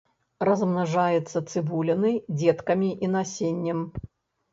Размнажаецца цыбулінай, дзеткамі і насеннем.